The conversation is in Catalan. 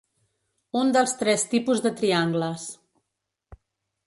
Un dels tres tipus de triangles.